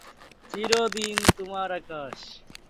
তিনি ফরোয়ার্ড ব্লকের একজন সক্রিয় সদস্য ছিলেন।